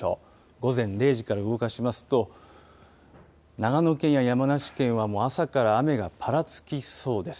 午前０時から動かしますと、長野県や山梨県は朝から雨がぱらつきそうです。